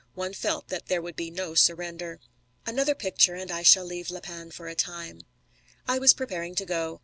One felt that there would be no surrender. Another picture, and I shall leave La Panne for a time. I was preparing to go.